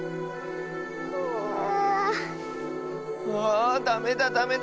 あダメだダメだ！